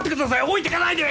置いてかないで！